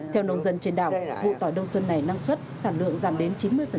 theo nông dân trên đảo vụ tỏi đông xuân này năng suất sản lượng giảm đến chín mươi